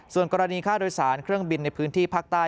ส่วนกรณีค่าโดยสารเครื่องบินในพื้นที่ภาคใต้